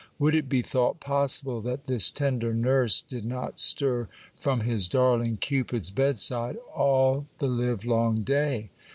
Would it be thought possible that this tender nurse did not stir from his darling Cupid's bedside all the live long day